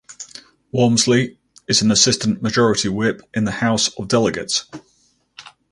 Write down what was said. Wamsley is an assistant majority whip in the House of Delegates.